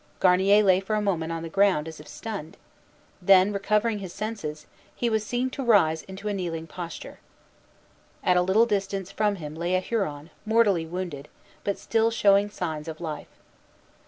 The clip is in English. Garnier lay for a moment on the ground, as if stunned; then, recovering his senses, he was seen to rise into a kneeling posture. At a little distance from him lay a Huron, mortally wounded, but still showing signs of life.